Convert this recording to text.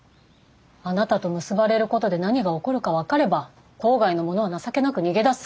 あなたと結ばれることで何が起こるか分かれば島外の者は情けなく逃げ出す。